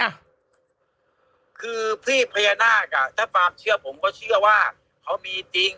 คือพี่พญานาคอ่ะถ้าความเชื่อผมก็เชื่อว่าเขามีจริง